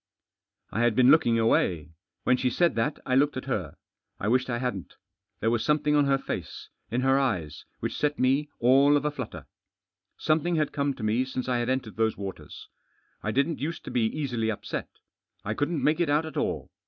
I had been looking away. When she said that I looked at her. I wished I hadn't" There was some thing on her face — in her eyes— which set me all of a flutter, Something had come to me since I had entered those waters. I didn't use to be easily Upset. I couldn't make It out at all.